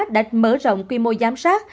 đã mở rộng quy mô giám sát